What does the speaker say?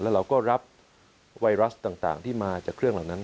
แล้วเราก็รับไวรัสต่างที่มาจากเครื่องเหล่านั้น